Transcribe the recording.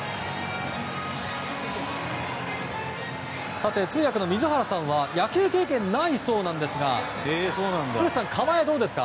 さて、通訳の水原さんは野球経験ないそうなんですが古田さん、構えどうですか？